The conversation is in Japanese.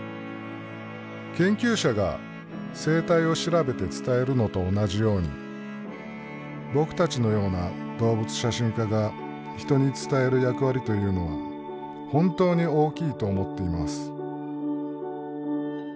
研究者が生態を調べて伝えるのと同じように僕たちのような動物写真家が人に伝える役割というのは本当に大きいと思っています。